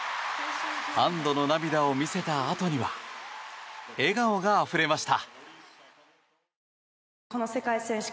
安堵の涙を見せたあとには笑顔があふれました。